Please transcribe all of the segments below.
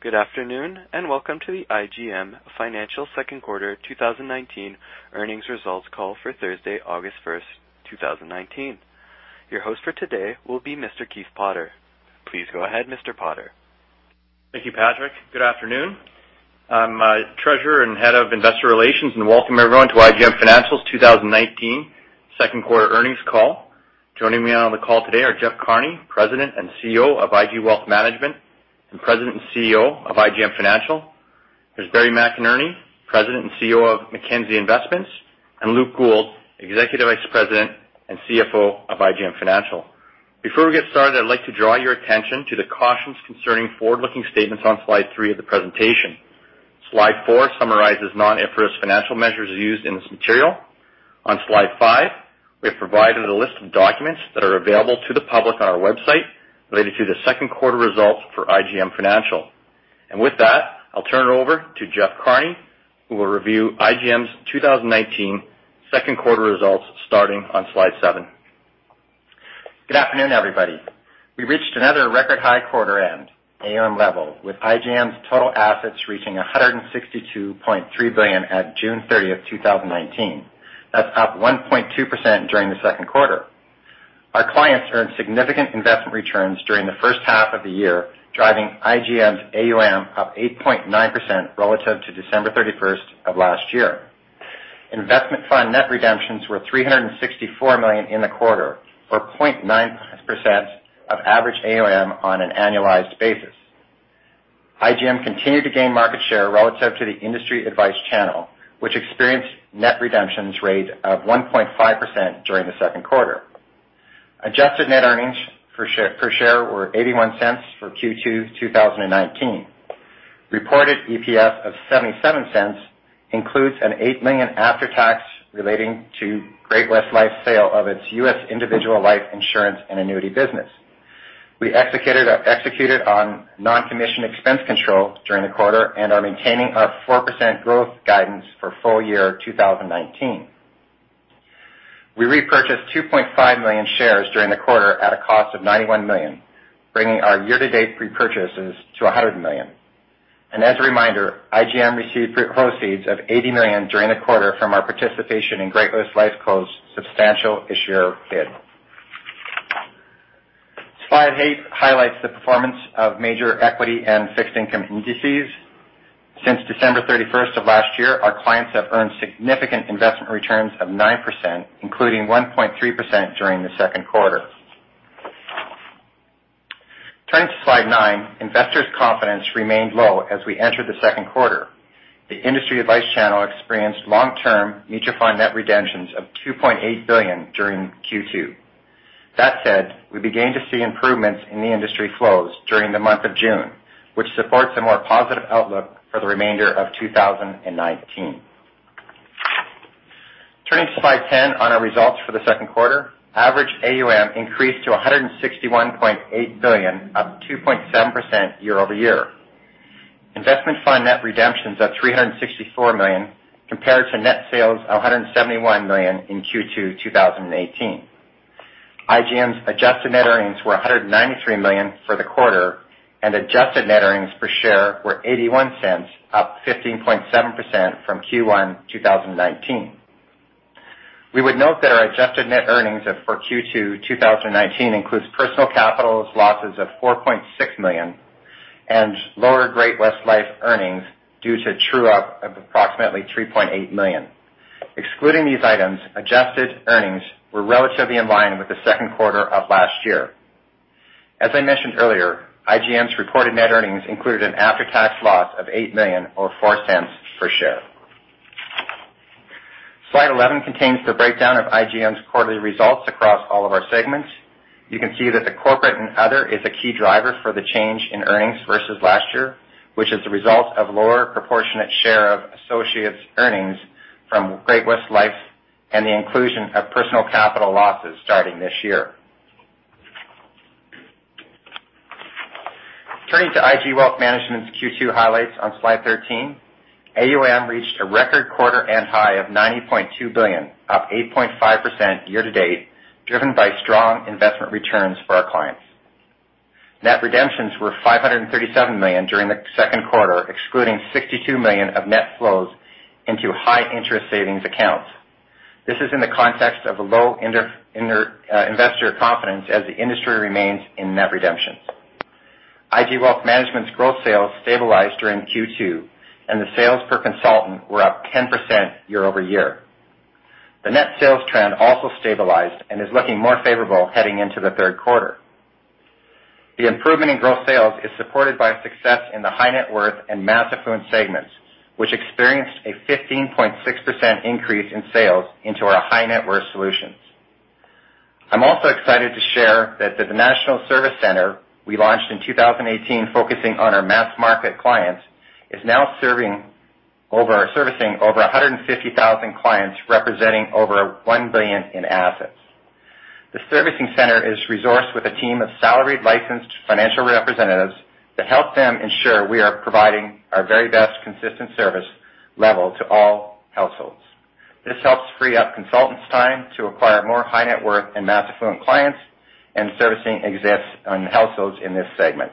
Good afternoon, and welcome to the IGM Financial Second Quarter 2019 Earnings Results Call for Thursday, August 1st, 2019. Your host for today will be Mr. Keith Potter. Please go ahead, Mr. Potter. Thank you, Patrick. Good afternoon. I'm Treasurer and Head of Investor Relations, and welcome everyone to IGM Financial's 2019 second quarter earnings call. Joining me on the call today are Jeff Carney, President and CEO of IG Wealth Management and President and CEO of IGM Financial. There's Barry McInerney, President and CEO of Mackenzie Investments, and Luke Gould, Executive Vice President and CFO of IGM Financial. Before we get started, I'd like to draw your attention to the cautions concerning forward-looking statements on slide three of the presentation. Slide four summarizes non-IFRS financial measures used in this material. On slide five, we have provided a list of documents that are available to the public on our website related to the second quarter results for IGM Financial. With that, I'll turn it over to Jeff Carney, who will review IGM's 2019 second quarter results, starting on slide seven. Good afternoon, everybody. We reached another record high quarter end AUM level, with IGM's total assets reaching 162.3 billion at June 30th, 2019. That's up 1.2% during the second quarter. Our clients earned significant investment returns during the first half of the year, driving IGM's AUM up 8.9% relative to December 31st of last year. Investment fund net redemptions were CAD 364 million in the quarter, or 0.9% of average AUM on an annualized basis. IGM continued to gain market share relative to the industry advice channel, which experienced net redemptions rate of 1.5% during the second quarter. Adjusted net earnings per share were 0.81 for Q2 2019. Reported EPS of 0.77 includes 8 million after-tax relating to Great-West Lifeco's sale of its U.S. individual life insurance and annuity business. We executed on non-commission expense control during the quarter and are maintaining our 4% growth guidance for full year 2019. We repurchased 2.5 million shares during the quarter at a cost of 91 million, bringing our year-to-date repurchases to 100 million. As a reminder, IGM received proceeds of 80 million during the quarter from our participation in Great-West Lifeco's substantial issuer bid. Slide eight highlights the performance of major equity and fixed income indices. Since December 31st of last year, our clients have earned significant investment returns of 9%, including 1.3% during the second quarter. Turning to Slide 9. Investors' confidence remained low as we entered the second quarter. The industry advice channel experienced long-term mutual fund net redemptions of 2.8 billion during Q2. That said, we began to see improvements in the industry flows during the month of June, which supports a more positive outlook for the remainder of 2019. Turning to slide 10 on our results for the second quarter. Average AUM increased to CAD 161.8 billion, up 2.7% year over year. Investment fund net redemptions of CAD 364 million, compared to net sales of CAD 171 million in Q2, 2018. IGM's adjusted net earnings were CAD 193 million for the quarter, and adjusted net earnings per share were 0.81, up 15.7% from Q1, 2019. We would note that our adjusted net earnings of for Q2 2019 includes Personal Capital's losses of 4.6 million and lower Great-West Life earnings due to true up of approximately 3.8 million. Excluding these items, adjusted earnings were relatively in line with the second quarter of last year. As I mentioned earlier, IGM's reported net earnings included an after-tax loss of 8 million or 0.04 per share. Slide 11 contains the breakdown of IGM's quarterly results across all of our segments. You can see that the corporate and other is a key driver for the change in earnings versus last year, which is the result of lower proportionate share of associates' earnings from Great-West Life and the inclusion of Personal Capital losses starting this year. Turning to IG Wealth Management's Q2 highlights on Slide 13. AUM reached a record quarter and high of 90.2 billion, up 8.5% year-to-date, driven by strong investment returns for our clients. Net redemptions were 537 million during the second quarter, excluding 62 million of net flows into high interest savings accounts. This is in the context of low investor confidence, as the industry remains in net redemptions. IG Wealth Management's growth sales stabilized during Q2, and the sales per consultant were up 10% year-over-year. The net sales trend also stabilized and is looking more favorable heading into the third quarter. The improvement in growth sales is supported by success in the high net worth and mass affluent segments, which experienced a 15.6% increase in sales into our high net worth solutions. I'm also excited to share that the National Service Center we launched in 2018, focusing on our mass market clients, is now servicing over 150,000 clients, representing over 1 billion in assets. The servicing center is resourced with a team of salaried, licensed financial representatives to help them ensure we are providing our very best consistent service level to all households. This helps free up consultants' time to acquire more high net worth and mass affluent clients and servicing exists on households in this segment.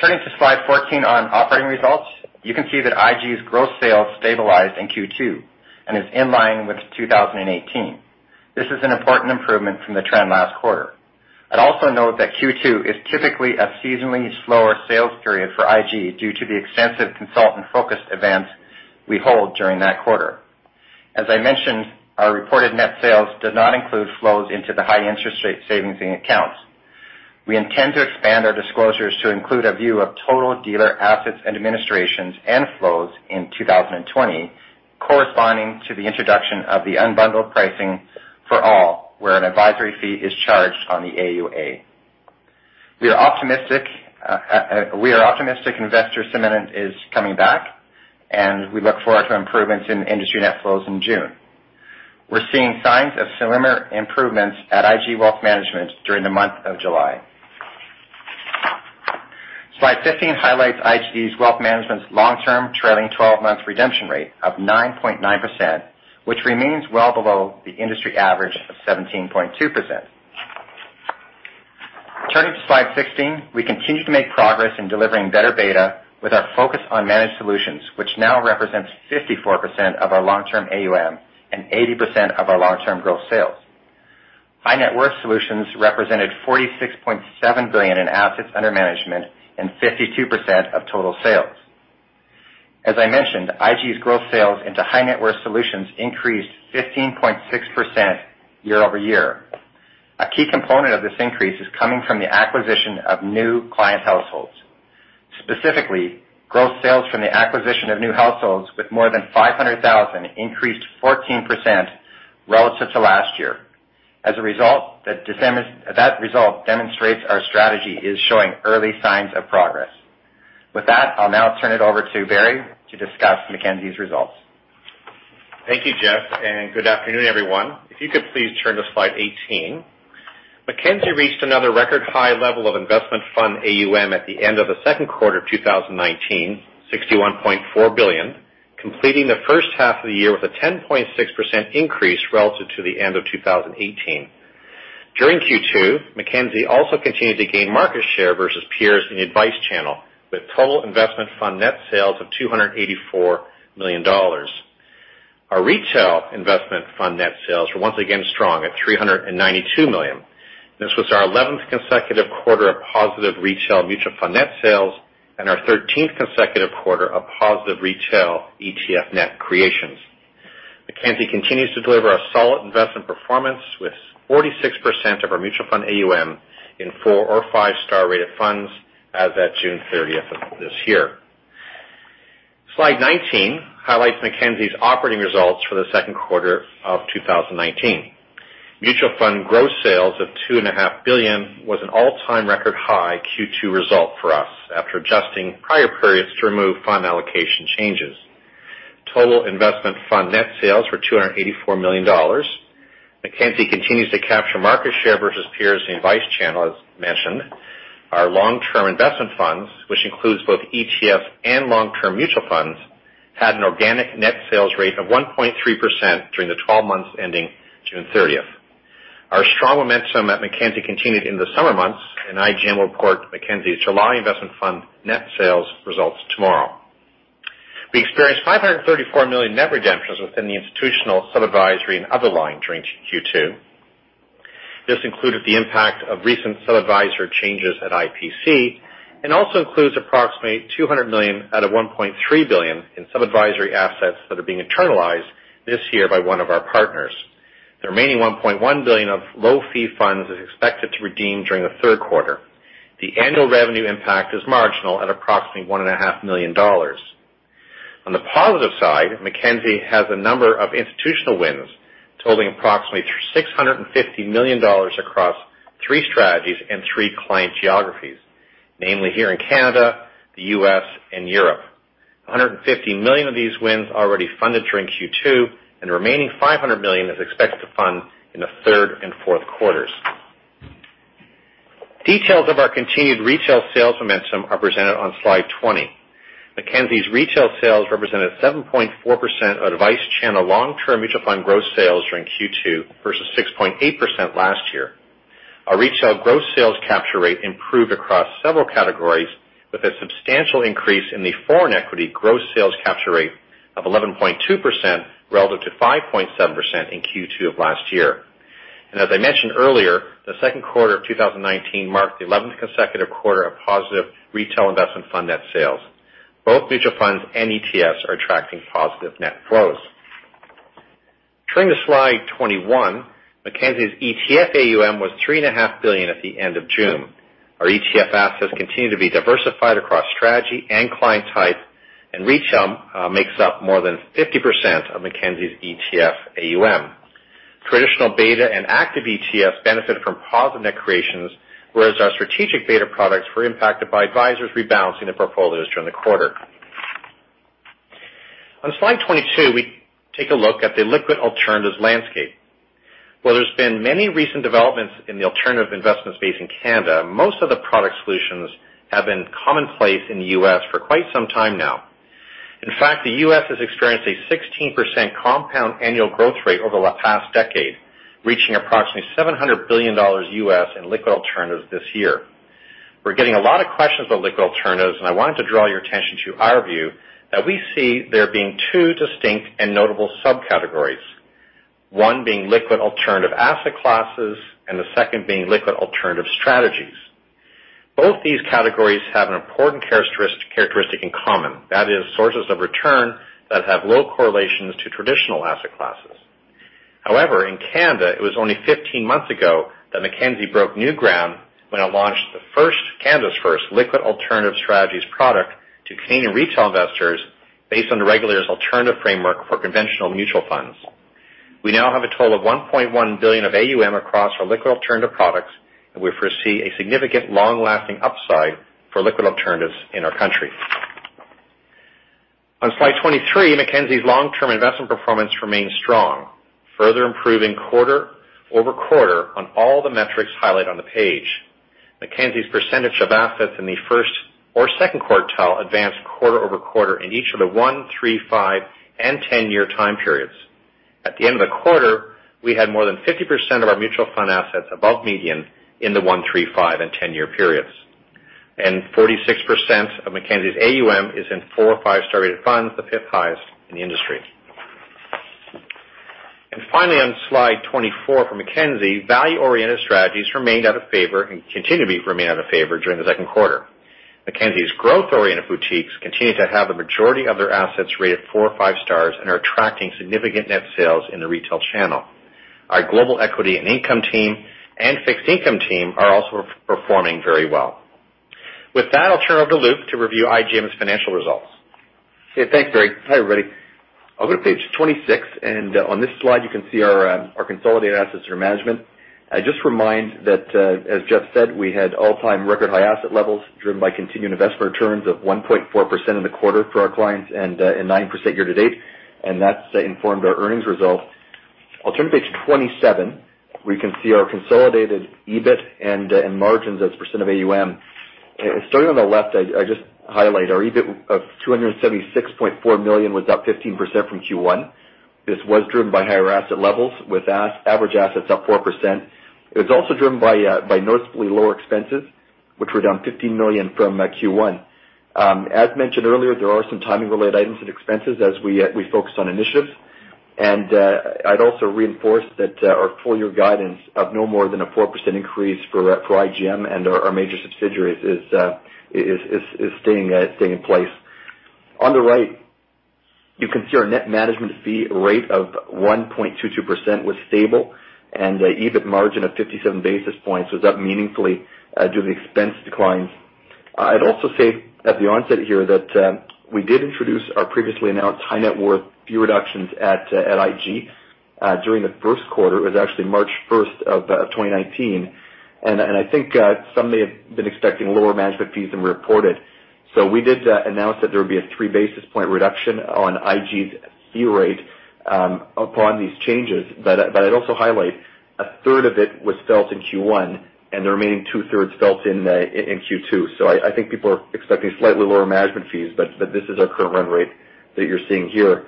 Turning to slide 14 on operating results, you can see that IG's gross sales stabilized in Q2 and is in line with 2018. This is an important improvement from the trend last quarter. I'd also note that Q2 is typically a seasonally slower sales period for IG due to the extensive consultant-focused events we hold during that quarter. As I mentioned, our reported net sales does not include flows into the high interest savings accounts. We intend to expand our disclosures to include a view of total dealer assets under administration and flows in 2020, corresponding to the introduction of the unbundled pricing for all, where an advisory fee is charged on the AUA. We are optimistic, we are optimistic investor sentiment is coming back, and we look forward to improvements in industry net flows in June. We're seeing signs of similar improvements at IG Wealth Management during the month of July. Slide 15 highlights IG Wealth Management's long-term trailing twelve-month redemption rate of 9.9%, which remains well below the industry average of 17.2%. Turning to slide 16, we continue to make progress in delivering better beta with our focus on managed solutions, which now represents 54% of our long-term AUM and 80% of our long-term growth sales. High net worth solutions represented 46.7 billion in assets under management and 52% of total sales. As I mentioned, IG's growth sales into high net worth solutions increased 15.6% year-over-year. A key component of this increase is coming from the acquisition of new client households. Specifically, gross sales from the acquisition of new households with more than 500,000 increased 14% relative to last year. As a result, that result demonstrates our strategy is showing early signs of progress. With that, I'll now turn it over to Barry to discuss Mackenzie's results. Thank you, Jeff, and good afternoon, everyone. If you could please turn to slide 18. Mackenzie reached another record high level of investment fund AUM at the end of the second quarter of 2019, 61.4 billion, completing the first half of the year with a 10.6% increase relative to the end of 2018. During Q2, Mackenzie also continued to gain market share versus peers in the advice channel, with total investment fund net sales of 284 million dollars. Our retail investment fund net sales were once again strong at 392 million. This was our eleventh consecutive quarter of positive retail mutual fund net sales and our thirteenth consecutive quarter of positive retail ETF net creations. Mackenzie continues to deliver a solid investment performance, with 46% of our mutual fund AUM in four- or five-star rated funds as at June 30th of this year. Slide 19 highlights Mackenzie's operating results for the second quarter of 2019. Mutual fund gross sales of 2.5 billion was an all-time record high Q2 result for us, after adjusting prior periods to remove fund allocation changes. Total investment fund net sales were 284 million dollars. Mackenzie continues to capture market share versus peers in the advice channel, as mentioned. Our long-term investment funds, which includes both ETFs and long-term mutual funds, had an organic net sales rate of 1.3% during the 12 months ending June 30th. Our strong momentum at Mackenzie continued in the summer months, and IG will report Mackenzie's July investment fund net sales results tomorrow. We experienced 534 million net redemptions within the institutional sub-advisory and other line during Q2. This included the impact of recent sub-advisory changes at IPC and also includes approximately 200 million out of 1.3 billion in sub-advisory assets that are being internalized this year by one of our partners. The remaining 1.1 billion of low fee funds is expected to redeem during the third quarter. The annual revenue impact is marginal at approximately 1.5 million dollars. On the positive side, Mackenzie has a number of institutional wins, totaling approximately 650 million dollars across three strategies and three client geographies, namely here in Canada, the U.S., and Europe. 150 million of these wins already funded during Q2, and the remaining 500 million is expected to fund in the third and fourth quarters. Details of our continued retail sales momentum are presented on Slide 20. Mackenzie's retail sales represented 7.4% of advice channel long-term mutual fund gross sales during Q2 versus 6.8% last year. Our retail gross sales capture rate improved across several categories with a substantial increase in the foreign equity gross sales capture rate of 11.2% relative to 5.7% in Q2 of last year. As I mentioned earlier, the second quarter of 2019 marked the 11th consecutive quarter of positive retail investment fund net sales. Both mutual funds and ETFs are attracting positive net flows. Turning to Slide 21, Mackenzie's ETF AUM was 3.5 billion at the end of June. Our ETF assets continue to be diversified across strategy and client type, and retail makes up more than 50% of Mackenzie's ETF AUM. Traditional beta and active ETFs benefit from positive net creations, whereas our strategic beta products were impacted by advisors rebalancing their portfolios during the quarter. On slide 22, we take a look at the liquid alternatives landscape. Well, there's been many recent developments in the alternative investment space in Canada. Most of the product solutions have been commonplace in the U.S. for quite some time now. In fact, the U.S. has experienced a 16% compound annual growth rate over the past decade, reaching approximately $700 billion in liquid alternatives this year. We're getting a lot of questions on liquid alternatives, and I wanted to draw your attention to our view that we see there being two distinct and notable subcategories. One being liquid alternative asset classes, and the second being liquid alternative strategies. Both these categories have an important characteristic in common. That is, sources of return that have low correlations to traditional asset classes. However, in Canada, it was only 15 months ago that Mackenzie broke new ground when it launched the first, Canada's first liquid alternative strategies product to Canadian retail investors based on the regulator's alternative framework for conventional mutual funds. We now have a total of 1.1 billion of AUM across our liquid alternative products, and we foresee a significant, long-lasting upside for liquid alternatives in our country. On slide 23, Mackenzie's long-term investment performance remains strong, further improving quarter-over-quarter on all the metrics highlighted on the page. Mackenzie's percentage of assets in the first or second quartile advanced quarter-over-quarter in each of the 1-, 3-, 5-, and 10-year time periods. At the end of the quarter, we had more than 50% of our mutual fund assets above median in the 1-, 3-, 5-, and 10-year periods. Forty-six percent of Mackenzie's AUM is in 4- or 5-star rated funds, the fifth highest in the industry. Finally, on slide 24 for Mackenzie, value-oriented strategies remained out of favor and continue to remain out of favor during the second quarter. Mackenzie's growth-oriented boutiques continue to have the majority of their assets rated 4 or 5 stars and are attracting significant net sales in the retail channel. Our global equity and income team and fixed income team are also performing very well. With that, I'll turn it over to Luke to review IGM's financial results. Okay, thanks, Barry. Hi, everybody. I'll go to page 26, and on this slide, you can see our consolidated assets for management. I just remind that as Jeff said, we had all-time record high asset levels, driven by continuing investment returns of 1.4% in the quarter for our clients and 9% year to date, and that's informed our earnings result. I'll turn to page 27. We can see our consolidated EBIT and margins as a percent of AUM. Starting on the left, I just highlight our EBIT of 276.4 million was up 15% from Q1. This was driven by higher asset levels, with average assets up 4%. It was also driven by noticeably lower expenses, which were down 15 million from Q1. As mentioned earlier, there are some timing-related items and expenses as we focus on initiatives. I'd also reinforce that our full year guidance of no more than a 4% increase for IGM and our major subsidiaries is staying in place. On the right, you can see our net management fee rate of 1.22% was stable, and the EBIT margin of 57 basis points was up meaningfully due to the expense declines. I'd also say at the onset here that we did introduce our previously announced high net worth fee reductions at IG during the first quarter. It was actually March 1st, 2019, and I think some may have been expecting lower management fees than we reported. So we did announce that there would be a 3 basis point reduction on IG's fee rate upon these changes. But, but I'd also highlight, a third of it was felt in Q1, and the remaining two thirds felt in in Q2. So I think people are expecting slightly lower management fees, but, but this is our current run rate that you're seeing here.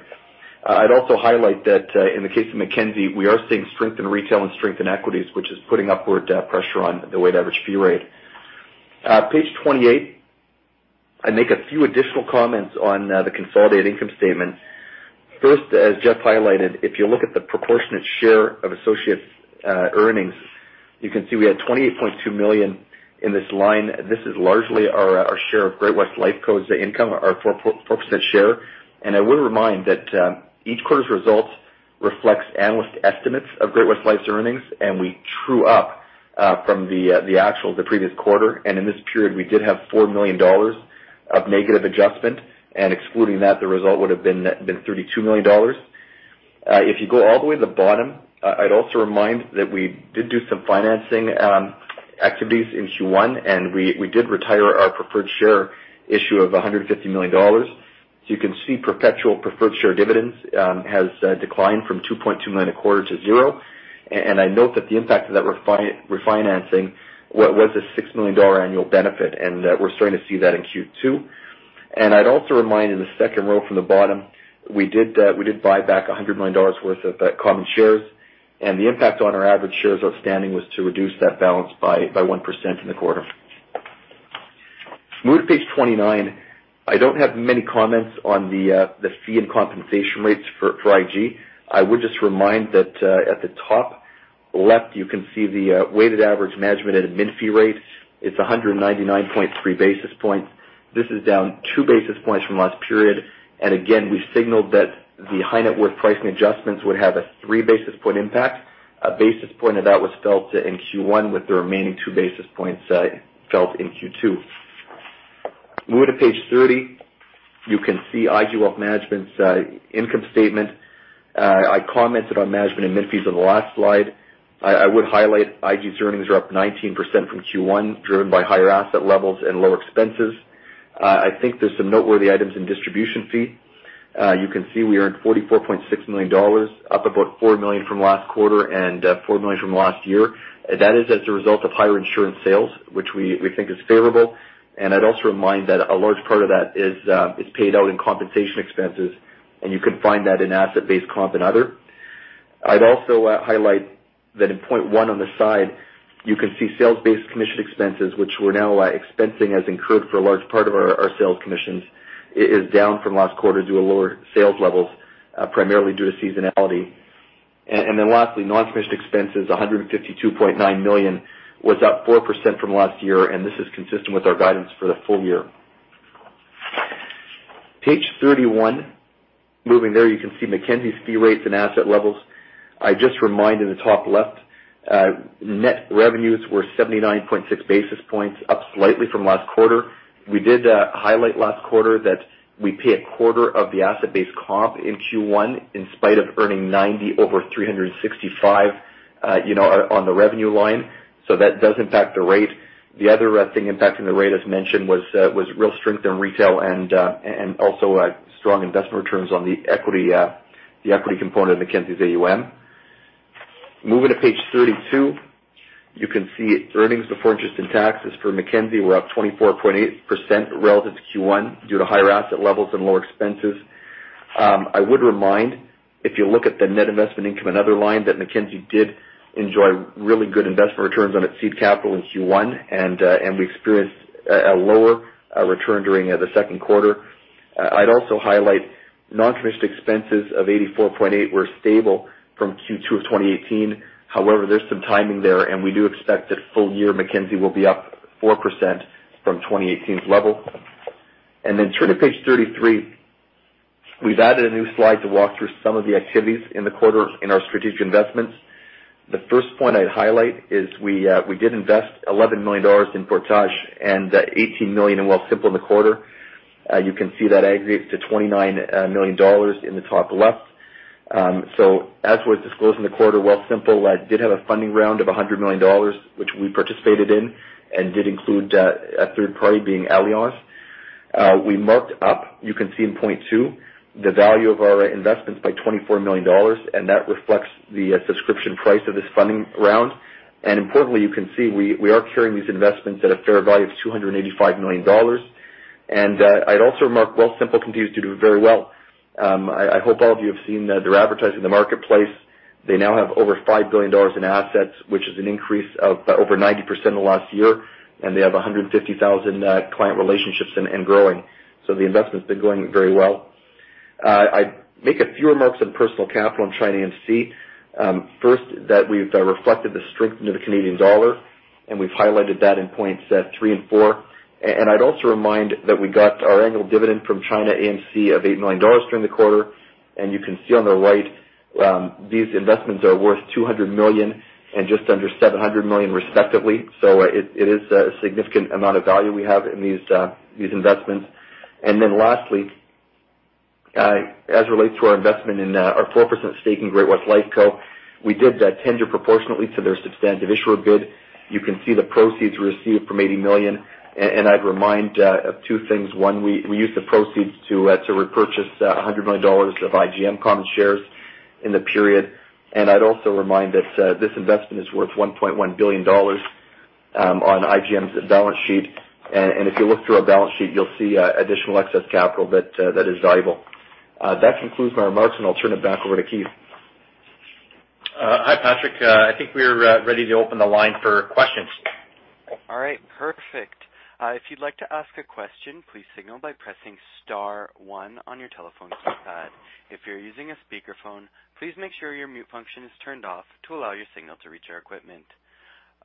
I'd also highlight that in the case of Mackenzie, we are seeing strength in retail and strength in equities, which is putting upward pressure on the weighted average fee rate. Page 28, I make a few additional comments on the consolidated income statement. First, as Jeff highlighted, if you look at the proportionate share of associates earnings, you can see we had 28.2 million in this line. This is largely our, our share of Great-West Lifeco's income, our 4% share. I would remind that, each quarter's results reflects analyst estimates of Great-West Lifeco's earnings, and we true up, from the, the actual the previous quarter. And in this period, we did have 4 million dollars of negative adjustment, and excluding that, the result would have been net-- been 32 million dollars. If you go all the way to the bottom, I'd also remind that we did do some financing, activities in Q1, and we, we did retire our preferred share issue of 150 million dollars. So you can see perpetual preferred share dividends, has, declined from 2.2 million a quarter to zero. and I note that the impact of that refinancing was a 6 million dollar annual benefit, and we're starting to see that in Q2. And I'd also remind, in the second row from the bottom, we did buy back 100 million dollars worth of common shares, and the impact on our average shares outstanding was to reduce that balance by 1% in the quarter. Move to page 29. I don't have many comments on the fee and compensation rates for IG. I would just remind that, at the top left, you can see the weighted average management and admin fee rate. It's 199.3 basis points. This is down two basis points from last period, and again, we signaled that the high net worth pricing adjustments would have a three basis point impact. A basis point of that was felt in Q1, with the remaining two basis points felt in Q2. Moving to page 30, you can see IG Wealth Management's income statement. I commented on management and admin fees on the last slide. I, I would highlight IG's earnings are up 19% from Q1, driven by higher asset levels and lower expenses. I think there's some noteworthy items in distribution fee. You can see we earned 44.6 million dollars, up about 4 million from last quarter and 4 million from last year. That is as a result of higher insurance sales, which we, we think is favorable. I'd also remind that a large part of that is paid out in compensation expenses, and you can find that in asset-based comp and other. I'd also highlight that in point one on the side, you can see sales-based commission expenses, which we're now expensing as incurred for a large part of our sales commissions, is down from last quarter due to lower sales levels, primarily due to seasonality. Then lastly, non-commissioned expenses, 152.9 million, was up 4% from last year, and this is consistent with our guidance for the full year. Page 31, moving there, you can see Mackenzie's fee rates and asset levels. I just remind you, in the top left, net revenues were 79.6 basis points, up slightly from last quarter. We did highlight last quarter that we pay a quarter of the asset-based comp in Q1, in spite of earning 90/365, you know, on the revenue line. So that does impact the rate. The other thing impacting the rate, as mentioned, was real strength in retail and also strong investment returns on the equity, the equity component of Mackenzie's AUM. Moving to page 32, you can see earnings before interest and taxes for Mackenzie were up 24.8% relative to Q1 due to higher asset levels and lower expenses. I would remind, if you look at the net investment income, another line that Mackenzie did enjoy really good investment returns on its seed capital in Q1, and we experienced a lower return during the second quarter. I'd also highlight non-commissioned expenses of 84.8 were stable from Q2 of 2018. However, there's some timing there, and we do expect that full year Mackenzie will be up 4% from 2018's level. And then turning to page 33, we've added a new slide to walk through some of the activities in the quarter in our strategic investments. The first point I'd highlight is we, we did invest 11 million dollars in Portage and 18 million in Wealthsimple in the quarter. You can see that aggregates to 29 million dollars in the top left. So as was disclosed in the quarter, Wealthsimple did have a funding round of 100 million dollars, which we participated in, and did include a third party being Allianz. We marked up, you can see in point two, the value of our investments by 24 million dollars, and that reflects the subscription price of this funding round. And importantly, you can see we are carrying these investments at a fair value of 285 million dollars. And I'd also remark, Wealthsimple continues to do very well. I hope all of you have seen their advertising in the marketplace. They now have over 5 billion dollars in assets, which is an increase of over 90% in the last year, and they have 150,000 client relationships and growing. So the investment's been going very well. I'd make a few remarks on Personal Capital and ChinaAMC. First, that we've reflected the strength of the Canadian dollar, and we've highlighted that in points 3 and 4. And I'd also remind that we got our annual dividend from ChinaAMC of 8 million dollars during the quarter, and you can see on the right, these investments are worth 200 million and just under 700 million, respectively. So, it is a significant amount of value we have in these investments. And then lastly, as it relates to our investment in our 4% stake in Great-West Lifeco, we did tender proportionately to their Substantial Issuer Bid. You can see the proceeds received from 80 million, and I'd remind of two things. One, we used the proceeds to repurchase 100 million dollars of IGM common shares in the period. And I'd also remind that this investment is worth 1.1 billion dollars on IGM's balance sheet. And if you look through our balance sheet, you'll see additional excess capital that that is valuable. That concludes my remarks, and I'll turn it back over to Keith. Hi, Patrick. I think we're ready to open the line for questions. All right, perfect. If you'd like to ask a question, please signal by pressing star one on your telephone keypad. If you're using a speakerphone, please make sure your mute function is turned off to allow your signal to reach our equipment.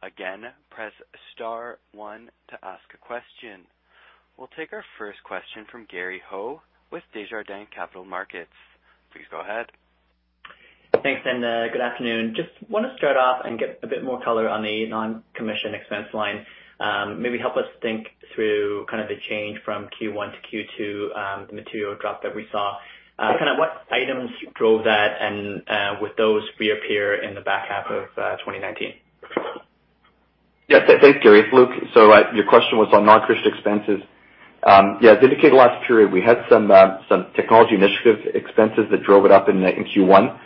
Again, press star one to ask a question. We'll take our first question from Gary Ho with Desjardins Capital Markets. Please go ahead. Thanks, and good afternoon. Just want to start off and get a bit more color on the non-commission expense line. Maybe help us think through kind of the change from Q1 to Q2, the material drop that we saw. Kind of what items drove that, and would those reappear in the back half of 2019? Yes, thanks, Gary. It's Luke. So, your question was on non-commissioned expenses. Yeah, as indicated last period, we had some technology initiative expenses that drove it up in Q1.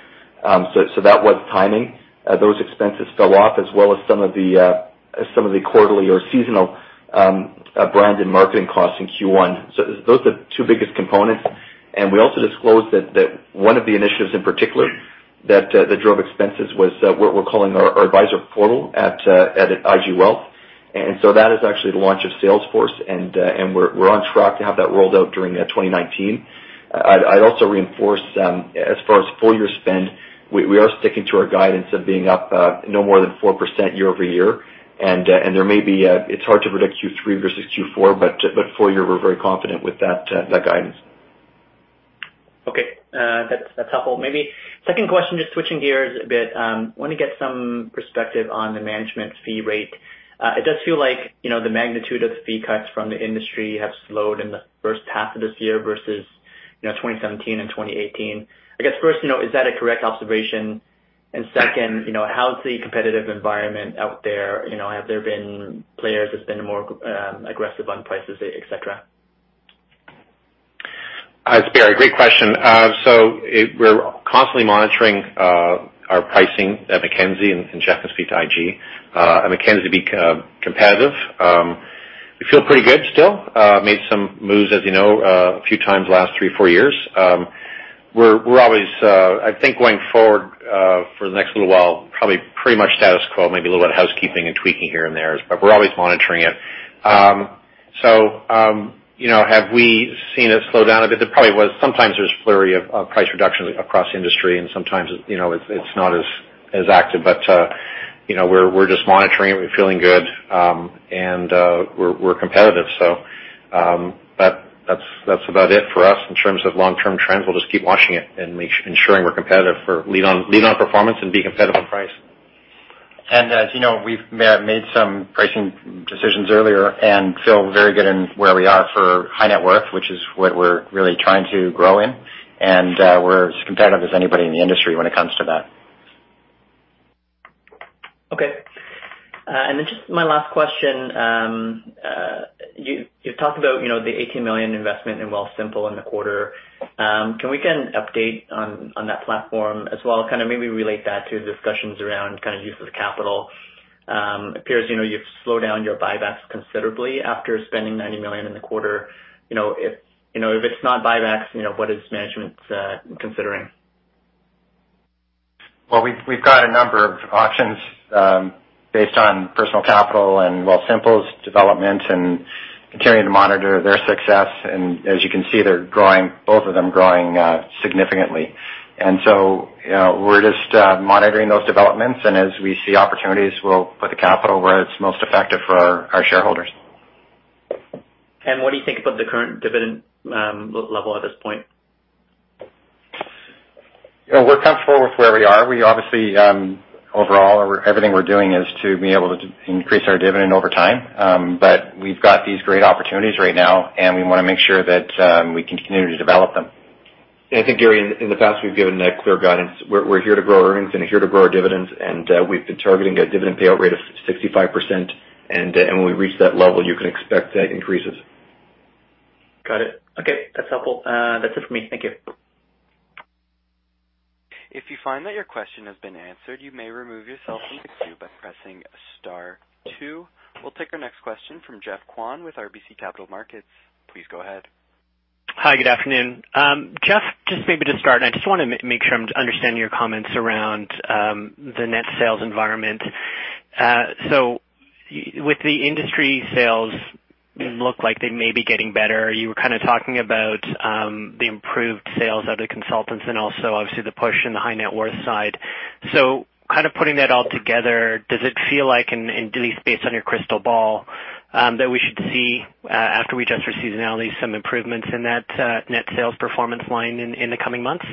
So that was timing. Those expenses fell off, as well as some of the quarterly or seasonal brand and marketing costs in Q1. So those are the two biggest components, and we also disclosed that one of the initiatives in particular that drove expenses was what we're calling our advisor portal at IG Wealth. And so that is actually the launch of Salesforce, and we're on track to have that rolled out during 2019. I'd also reinforce, as far as full year spend, we are sticking to our guidance of being up no more than 4% year-over-year. And there may be, it's hard to predict Q3 versus Q4, but full year, we're very confident with that guidance. Okay, that's helpful. Maybe second question, just switching gears a bit. Want to get some perspective on the management fee rate. It does feel like, you know, the magnitude of the fee cuts from the industry have slowed in the first half of this year versus, you know, 2017 and 2018. I guess first, you know, is that a correct observation? And second, you know, how's the competitive environment out there? You know, have there been players that's been more aggressive on prices, et cetera? Hi, Gary. Great question. So we're constantly monitoring our pricing at Mackenzie and IG, and to be competitive. We feel pretty good still. Made some moves, as you know, a few times last 3 years, 4 years. We're always, I think, going forward, for the next little while, probably pretty much status quo, maybe a little bit of housekeeping and tweaking here and there, but we're always monitoring it. So, you know, have we seen it slow down a bit? There probably was. Sometimes there's a flurry of price reductions across the industry, and sometimes, you know, it's not as active. But, you know, we're just monitoring it. We're feeling good, and we're competitive. So, that's about it for us in terms of long-term trends. We'll just keep watching it and make sure, ensuring we're competitive on long-term performance and be competitive on price. As you know, we've made some pricing decisions earlier and feel very good in where we are for high net worth, which is what we're really trying to grow in, and we're as competitive as anybody in the industry when it comes to that. Okay. Then just my last question. You talked about, you know, the 18 million investment in Wealthsimple in the quarter. Can we get an update on that platform as well? Kind of maybe relate that to the discussions around kind of use of capital. Appears, you know, you've slowed down your buybacks considerably after spending 90 million in the quarter. You know, if, you know, if it's not buybacks, you know, what is management considering? Well, we've got a number of options based on Personal Capital and, well, Wealthsimple's development and continuing to monitor their success. And as you can see, they're growing, both of them growing significantly. And so, you know, we're just monitoring those developments, and as we see opportunities, we'll put the capital where it's most effective for our shareholders. What do you think about the current dividend level at this point? You know, we're comfortable with where we are. We obviously, overall, everything we're doing is to be able to increase our dividend over time. But we've got these great opportunities right now, and we want to make sure that we continue to develop them. I think, Gary, in the past, we've given that clear guidance. We're here to grow earnings and here to grow our dividends, and we've been targeting a dividend payout rate of 65%, and when we reach that level, you can expect that increases. Got it. Okay, that's helpful. That's it for me. Thank you. If you find that your question has been answered, you may remove yourself from the queue by pressing star two. We'll take our next question from Jeff Kwan with RBC Capital Markets. Please go ahead. Hi, good afternoon. Jeff, just maybe to start, and I just want to make sure I'm understanding your comments around the net sales environment. So with the industry sales, look like they may be getting better. You were kind of talking about the improved sales of the consultants and also obviously the push in the high net worth side. So kind of putting that all together, does it feel like, and at least based on your crystal ball, that we should see, after we adjust for seasonality, some improvements in that net sales performance line in the coming months?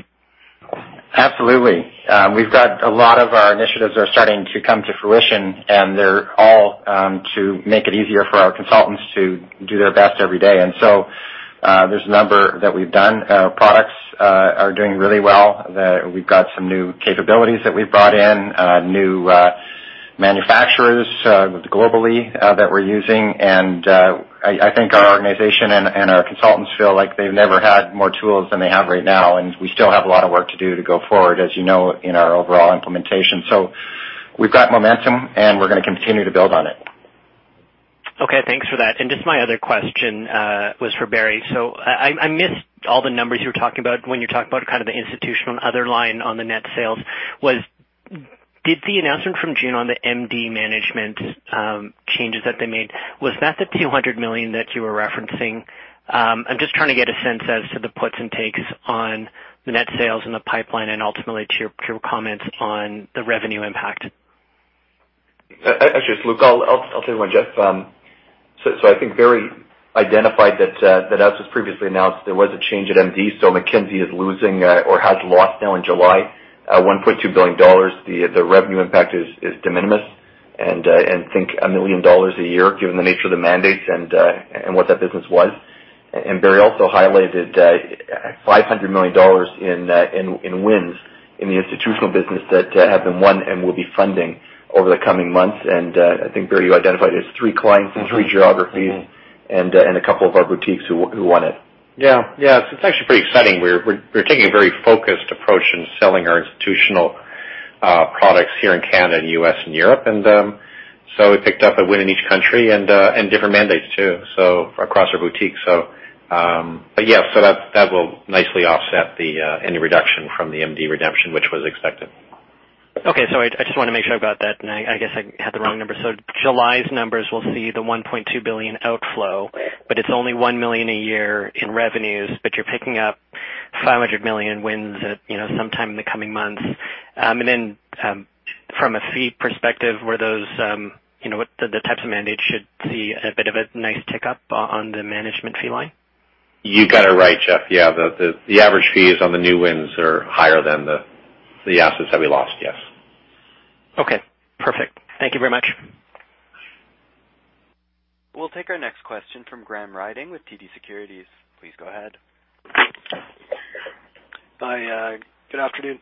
Absolutely. We've got a lot of our initiatives are starting to come to fruition, and they're all, to make it easier for our consultants to do their best every day. And so, there's a number that we've done. Our products, are doing really well, that we've got some new capabilities that we've brought in, new, manufacturers, globally, that we're using. And, I think our organization and our consultants feel like they've never had more tools than they have right now, and we still have a lot of work to do to go forward, as you know, in our overall implementation. So we've got momentum, and we're gonna continue to build on it. Okay, thanks for that. Just my other question was for Barry. I missed all the numbers you were talking about when you talked about kind of the institutional other line on the net sales. Did the announcement from June on the MD Management changes that they made, was that the 200 million that you were referencing? I'm just trying to get a sense as to the puts and takes on the net sales and the pipeline and ultimately to your comments on the revenue impact. Actually, it's Luke. I'll tell you what, Jeff. So I think Barry identified that, as was previously announced, there was a change at MD, so Mackenzie is losing, or has lost now in July, 1.2 billion dollars. The revenue impact is de minimis and think 1 million dollars a year, given the nature of the mandates and what that business was. And Carney also highlighted, 500 million dollars in wins in the institutional business that have been won and will be funding over the coming months. And I think, Barry, you identified as three clients in three geographies- Mm-hmm. and a couple of our boutiques who won it. Yeah. Yeah, it's actually pretty exciting. We're taking a very focused approach in selling our institutional products here in Canada and U.S. and Europe. And so we picked up a win in each country and different mandates too, so across our boutiques. So but yeah, so that will nicely offset any reduction from the MD redemption, which was expected. Okay. So I just want to make sure I've got that, and I guess I had the wrong number. So July's numbers will see the 1.2 billion outflow, but it's only 1 million a year in revenues, but you're picking up 500 million wins at, you know, sometime in the coming months. And then, from a fee perspective, were those, you know, what the, the types of mandates should see a bit of a nice tick up on the management fee line? You got it right, Jeff. Yeah, the average fees on the new wins are higher than the assets that we lost. Yes. Okay, perfect. Thank you very much. We'll take our next question from Graham Ryding with TD Securities. Please go ahead. Hi, good afternoon.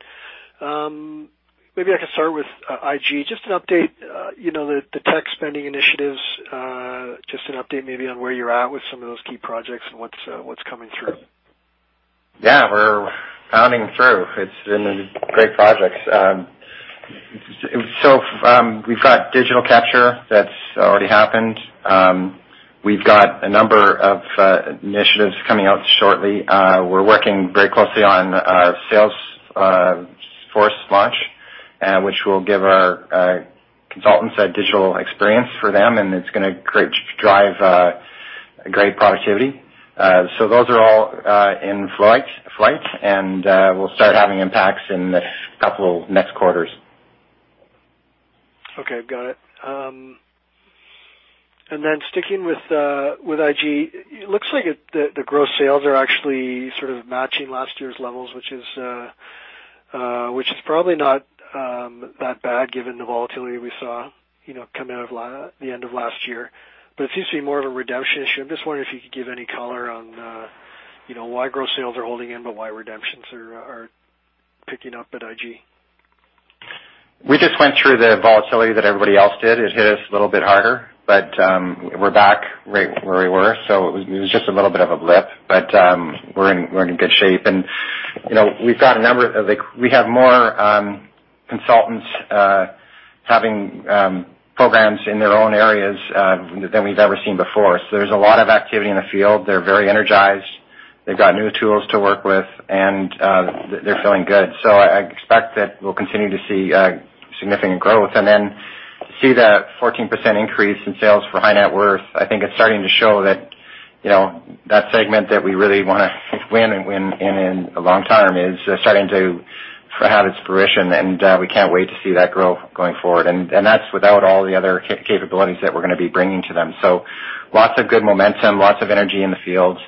Maybe I can start with IG. Just an update, you know, the tech spending initiatives, just an update maybe on where you're at with some of those key projects and what's coming through. Yeah, we're pounding through. It's been great projects. So, we've got digital capture. That's already happened. We've got a number of initiatives coming out shortly. We're working very closely on our Salesforce launch, which will give our consultants a digital experience for them, and it's gonna create-drive great productivity. So those are all in flight, and we'll start having impacts in the couple next quarters. Okay, got it. And then sticking with IG, it looks like the gross sales are actually sort of matching last year's levels, which is probably not that bad, given the volatility we saw, you know, coming out of the end of last year. But it seems to be more of a redemption issue. I'm just wondering if you could give any color on, you know, why gross sales are holding in, but why redemptions are picking up at IG. We just went through the volatility that everybody else did. It hit us a little bit harder, but we're back right where we were, so it was just a little bit of a blip. But we're in good shape. You know, we've got a number of, like we have more consultants having programs in their own areas than we've ever seen before. So there's a lot of activity in the field. They're very energized. They've got new tools to work with, and they're feeling good. So I expect that we'll continue to see significant growth. And then see the 14% increase in sales for high net worth, I think it's starting to show that, you know, that segment that we really want to win and win in, in the long term is starting to have its fruition, and we can't wait to see that grow going forward. And that's without all the other capabilities that we're going to be bringing to them. So lots of good momentum, lots of energy in the field.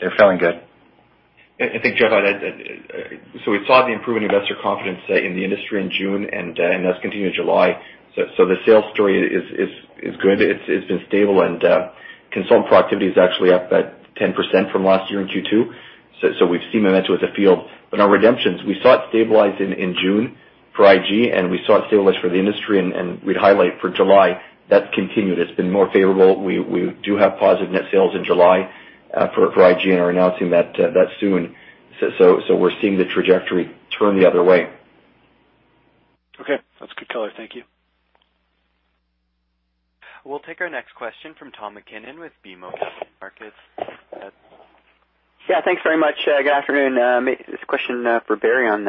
They're feeling good. I think, Jeff. So we saw the improving investor confidence in the industry in June, and that's continued in July. So the sales story is good. It's been stable, and consultant productivity is actually up by 10% from last year in Q2. So we've seen momentum with the field. But our redemptions, we saw it stabilize in June for IG, and we saw it stabilize for the industry. And we'd highlight for July, that's continued. It's been more favorable. We do have positive net sales in July for IG and are announcing that soon. So we're seeing the trajectory turn the other way. Okay, that's good color. Thank you. We'll take our next question from Tom MacKinnon with BMO Capital Markets. Yeah, thanks very much. Good afternoon. This question for Barry on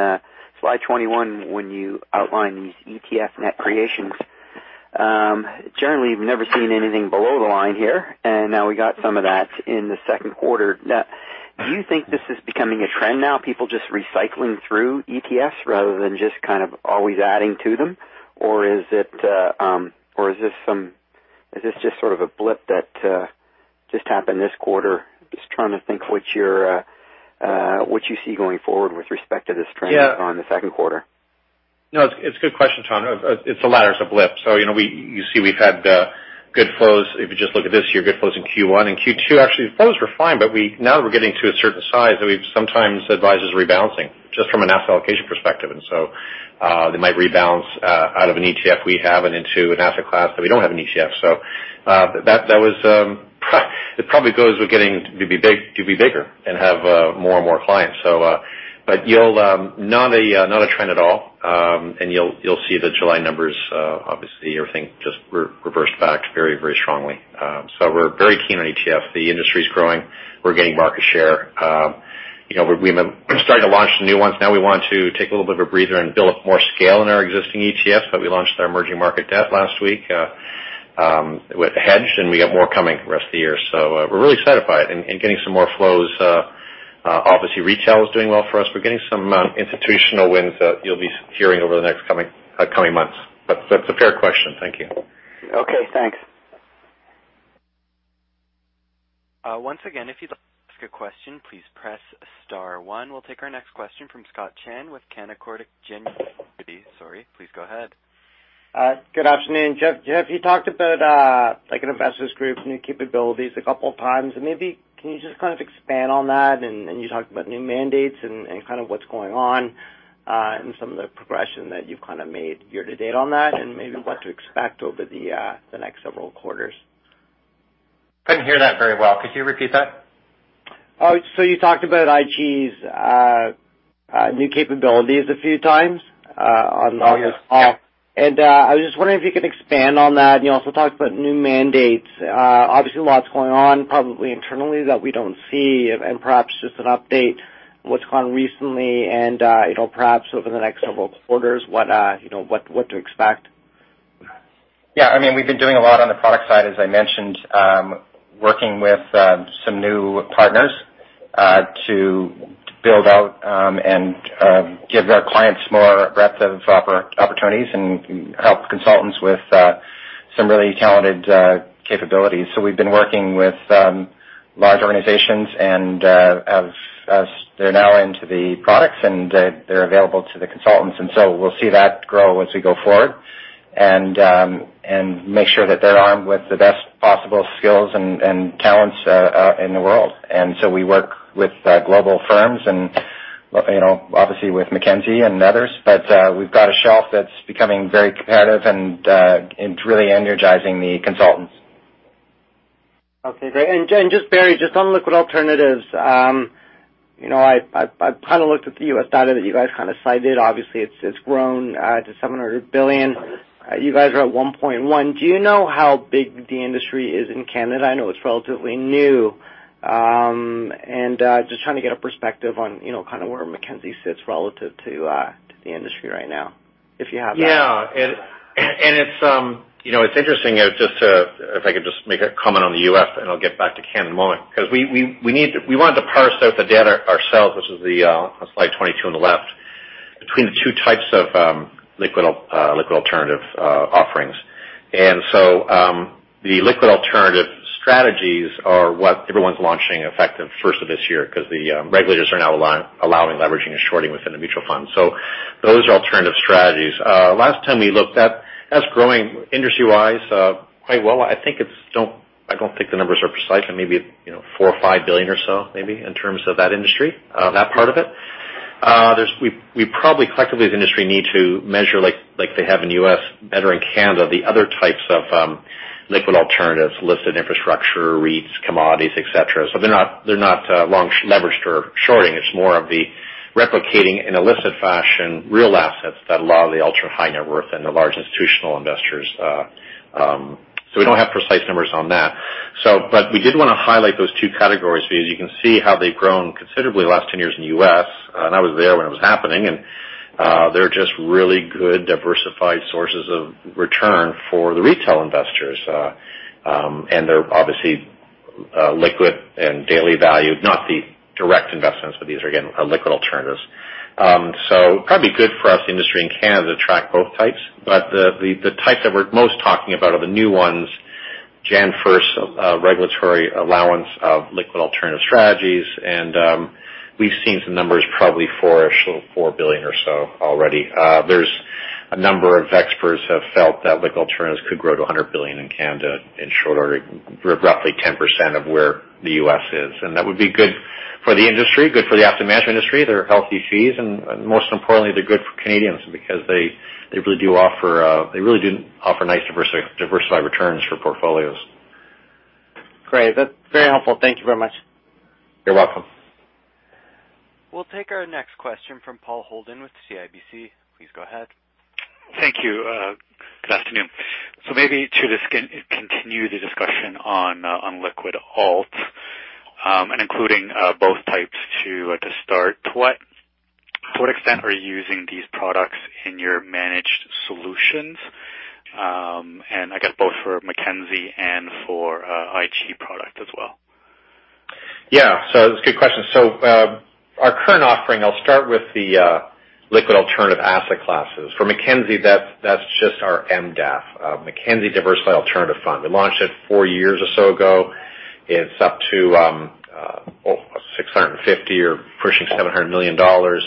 slide 21, when you outline these ETF net creations. Generally, we've never seen anything below the line here, and now we got some of that in the second quarter. Now, do you think this is becoming a trend now, people just recycling through ETFs rather than just kind of always adding to them? Or is it, or is this some, is this just sort of a blip that just happened this quarter? Just trying to think what you see going forward with respect to this trend- Yeah. on the second quarter. No, it's a good question, Tom. It's the latter, it's a blip. So, you know, we, you see, we've had good flows. If you just look at this year, good flows in Q1 and Q2, actually, the flows were fine, but we... Now that we're getting to a certain size, that we've sometimes advisors rebalancing, just from an asset allocation perspective. And so, they might rebalance out of an ETF we have and into an asset class that we don't have an ETF. So, that, that was it probably goes with getting to be bigger and have more and more clients. So, but it's not a trend at all. And you'll, you'll see the July numbers, obviously, everything just reversed back very, very strongly. So we're very keen on ETF. The industry's growing. We're gaining market share. You know, we've started to launch the new ones. Now we want to take a little bit of a breather and build up more scale in our existing ETFs, but we launched our emerging market debt last week, with a hedge, and we have more coming the rest of the year. So, we're really excited about it and getting some more flows. Obviously, retail is doing well for us. We're getting some institutional wins that you'll be hearing over the next coming months. But that's a fair question. Thank you. Okay, thanks. Once again, if you'd like to ask a question, please press star one. We'll take our next question from Scott Chan with Canaccord Genuity. Sorry, please go ahead. Good afternoon. Jeff, Jeff, you talked about, like an Investors Group, new capabilities a couple of times, and maybe can you just kind of expand on that? And, and you talked about new mandates and, and kind of what's going on, and some of the progression that you've kind of made year to date on that, and maybe what to expect over the, the next several quarters? Couldn't hear that very well. Could you repeat that? So you talked about IG's new capabilities a few times, on- Oh, yeah. I was just wondering if you could expand on that. You also talked about new mandates. Obviously, a lot's going on, probably internally, that we don't see, and perhaps just an update on what's gone on recently and, you know, perhaps over the next several quarters, what, you know, what, what to expect. Yeah, I mean, we've been doing a lot on the product side, as I mentioned, working with some new partners to build out and give our clients more breadth of opportunities and help consultants with some really talented capabilities. So we've been working with. large organizations, and as they're now into the products, and they're available to the consultants. And so we'll see that grow as we go forward, and make sure that they're armed with the best possible skills and talents in the world. And so we work with global firms and, you know, obviously with Mackenzie and others. But we've got a shelf that's becoming very competitive, and it's really energizing the consultants. Okay, great. Just Barry, just on liquid alternatives, you know, I've kind of looked at the U.S. data that you guys kind of cited. Obviously, it's grown to $700 billion. You guys are at $1.1 billion. Do you know how big the industry is in Canada? I know it's relatively new, and just trying to get a perspective on, you know, kind of where Mackenzie sits relative to the industry right now, if you have that. Yeah. It's, you know, it's interesting. Just to, if I could just make a comment on the US, and I'll get back to Canada in a moment. Because we need to. We wanted to parse out the data ourselves, which is the slide 22 on the left, between the two types of liquid alternative offerings. And so, the liquid alternative strategies are what everyone's launching effective first of this year, because the regulators are now allowing leveraging and shorting within the mutual funds. So those are alternative strategies. Last time we looked, that's growing industry-wise quite well. I think it's still. I don't think the numbers are precise, and maybe, you know, $4 billion or $5 billion or so maybe in terms of that industry, that part of it. We probably, collectively as an industry, need to measure like they have in the U.S., better in Canada, the other types of liquid alternatives, listed infrastructure, REITs, commodities, et cetera. So they're not long leveraged or shorting. It's more of the replicating, in a listed fashion, real assets that allow the ultra-high net worth and the large institutional investors. So we don't have precise numbers on that. So, but we did want to highlight those two categories, because you can see how they've grown considerably in the last 10 years in the U.S., and I was there when it was happening. They're just really good, diversified sources of return for the retail investors. And they're obviously liquid and daily valued, not the direct investments, but these are, again, liquid alternatives. So probably good for us, the industry in Canada, to track both types. But the types that we're most talking about are the new ones, January first, regulatory allowance of liquid alternative strategies, and we've seen some numbers, probably 4-ish, 4 billion or so already. There's a number of experts have felt that liquid alternatives could grow to 100 billion in Canada in short order, roughly 10% of where the U.S. is. And that would be good for the industry, good for the asset management industry. There are healthy fees, and most importantly, they're good for Canadians because they, they really do offer, they really do offer nice diversified returns for portfolios. Great. That's very helpful. Thank you very much. You're welcome. We'll take our next question from Paul Holden with CIBC. Please go ahead. Thank you. Good afternoon. So maybe to just continue the discussion on liquid alts, and including both types to start. To what extent are you using these products in your managed solutions? And I guess both for Mackenzie and for IG product as well. Yeah, so that's a good question. So, our current offering, I'll start with the liquid alternative asset classes. For Mackenzie, that's just our MDAF, Mackenzie Diversified Alternative Fund. We launched it four years or so ago. It's up to, oh, 650 million or pushing 700 million dollars.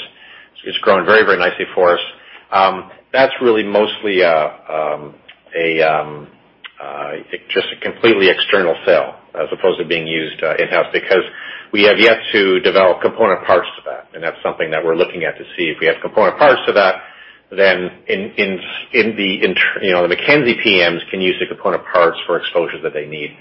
It's growing very, very nicely for us. That's really mostly just a completely external sale as opposed to being used in-house, because we have yet to develop component parts to that, and that's something that we're looking at to see. If we have component parts to that, then you know, the Mackenzie PMs can use the component parts for exposure that they need.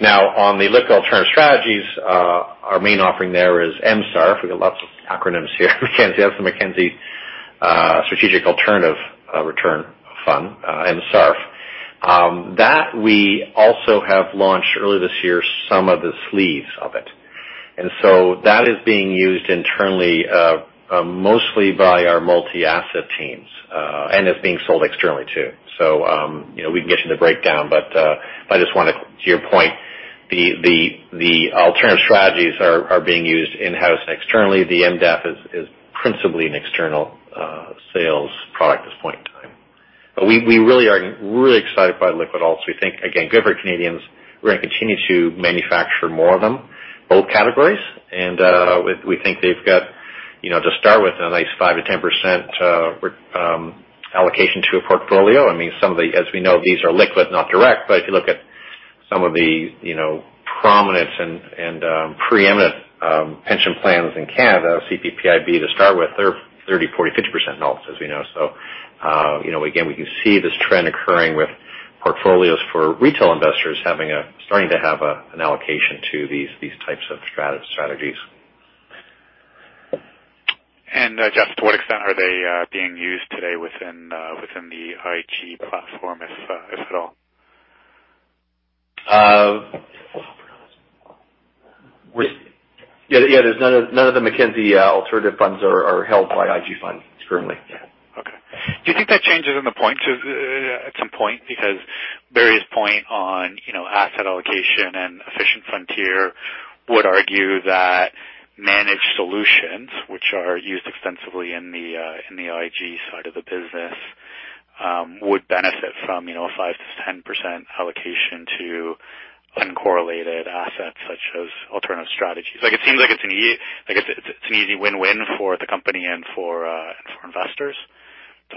Now, on the liquid alternative strategies, our main offering there is MSARF. We got lots of acronyms here. Mackenzie, that's the Mackenzie Multi-Strategy Absolute Return Fund, MSARF. That we also have launched early this year, some of the sleeves of it. And so that is being used internally, mostly by our multi-asset teams, and it's being sold externally, too. So, you know, we can get you the breakdown, but, I just want to, to your point, the alternative strategies are being used in-house and externally. The MDAF is principally an external sales product at this point in time. But we really are really excited by liquid alts. We think, again, good for Canadians. We're going to continue to manufacture more of them, both categories. We think they've got, you know, to start with, a nice 5%-10% allocation to a portfolio. I mean, some of the, as we know, these are liquid, not direct, but if you look at some of the, you know, prominent and preeminent pension plans in Canada, CPPIB to start with, they're 30%, 40%, 50% in alts, as we know. So, you know, again, we can see this trend occurring with portfolios for retail investors having a starting to have an allocation to these types of strategies. Just to what extent are they being used today within the IG platform, if at all? Yeah, yeah, there's none of the Mackenzie alternative funds are held by IG funds currently. Yeah. Okay. Do you think that changes in the point at some point? Because Barry's point on, you know, asset allocation and efficient frontier would argue that managed solutions, which are used extensively in the in the IG side of the business would benefit from, you know, a 5%-10% allocation to uncorrelated assets, such as alternative strategies. Like, it seems like it's like it's, it's an easy win-win for the company and for and for investors. But-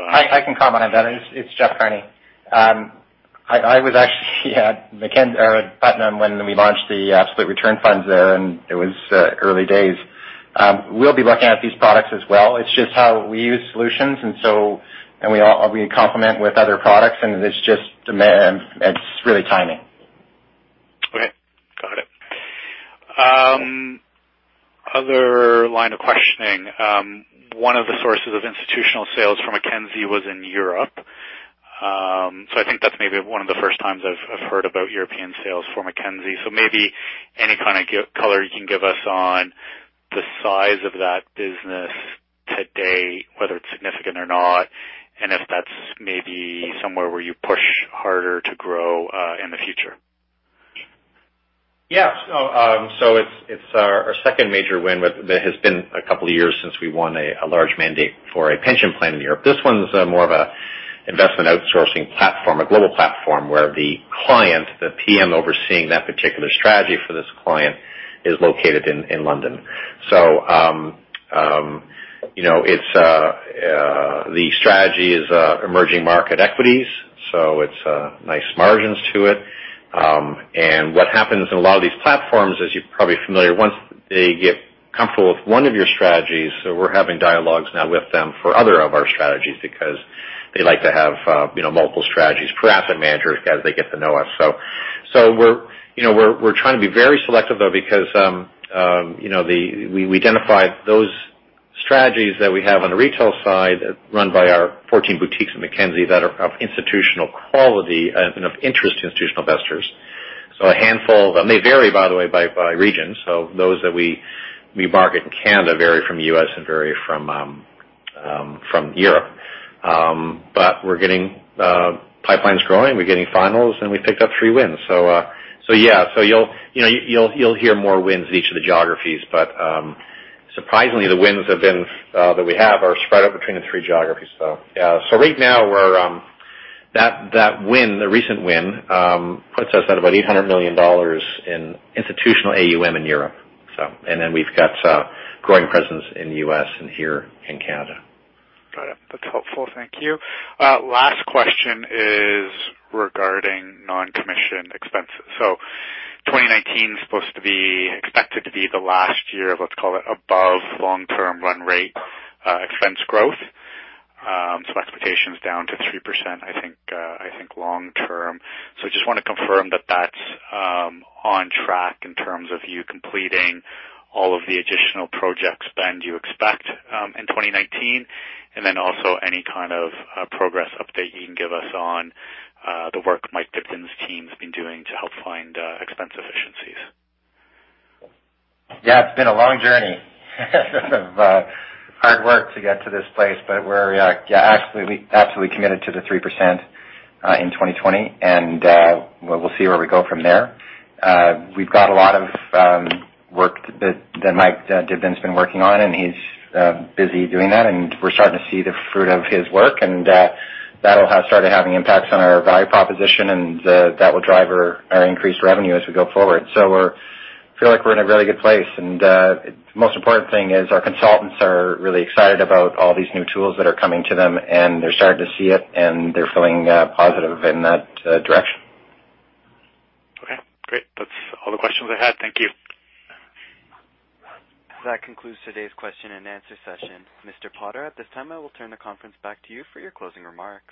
I can comment on that. It's Jeff Carney. I was actually at Mackenzie, or Putnam, when we launched the split return funds there, and it was early days. We'll be looking at these products as well. It's just how we use solutions, and we complement with other products, and it's just demand. It's really timing. Okay, got it. Other line of questioning. One of the sources of institutional sales for Mackenzie was in Europe. So I think that's maybe one of the first times I've, I've heard about European sales for Mackenzie. So maybe any kind of color you can give us on the size of that business today, whether it's significant or not, and if that's maybe somewhere where you push harder to grow in the future? Yeah. So, it's our second major win with... It has been a couple of years since we won a large mandate for a pension plan in Europe. This one's more of a investment outsourcing platform, a global platform, where the client, the PM overseeing that particular strategy for this client, is located in London. So, you know, it's the strategy is emerging market equities, so it's nice margins to it. And what happens in a lot of these platforms, as you're probably familiar, once they get comfortable with one of your strategies, so we're having dialogues now with them for other of our strategies, because they like to have, you know, multiple strategies per asset manager, as they get to know us. So, we're, you know, trying to be very selective, though, because, you know, We identify those strategies that we have on the retail side, run by our 14 boutiques in Mackenzie that are of institutional quality and of interest to institutional investors. So a handful of them. They vary, by the way, by region, so those that we market in Canada vary from U.S. and vary from Europe. But we're getting pipelines growing, we're getting finals, and we picked up 3 wins. So, yeah, so you'll, you know, you'll hear more wins in each of the geographies. But, surprisingly, the wins that we have are spread out between the three geographies. Right now, the recent win puts us at about 800 million dollars in institutional AUM in Europe, so. Then we've got a growing presence in the U.S. and here in Canada. Got it. That's helpful. Thank you. Last question is regarding non-commission expenses. So 2019 is supposed to be, expected to be the last year of, let's call it, above long-term run rate, expense growth. So expectations down to 3%, I think, I think long term. So just want to confirm that that's, on track in terms of you completing all of the additional projects spend you expect, in 2019, and then also any kind of, progress update you can give us on, the work Mike Dibden's team's been doing to help find, expense efficiencies. Yeah, it's been a long journey of hard work to get to this place, but we're, yeah, absolutely, absolutely committed to the 3% in 2020, and we'll see where we go from there. We've got a lot of work that that Mike Dibden's been working on, and he's busy doing that, and we're starting to see the fruit of his work, and that'll have started having impacts on our value proposition and that will drive our increased revenue as we go forward. So feel like we're in a really good place, and most important thing is our consultants are really excited about all these new tools that are coming to them, and they're starting to see it, and they're feeling positive in that direction. Okay, great. That's all the questions I had. Thank you. That concludes today's question and answer session. Mr. Potter, at this time, I will turn the conference back to you for your closing remarks.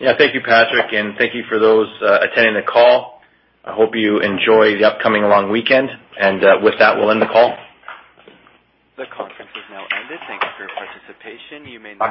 Yeah, thank you, Patrick, and thank you for those attending the call. I hope you enjoy the upcoming long weekend, and with that, we'll end the call. The conference is now ended. Thank you for your participation. You may disconnect-